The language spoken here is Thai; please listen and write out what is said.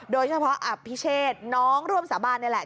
โดยเฉพาะอภิเชษน้องร่วมสาบานนี่แหละ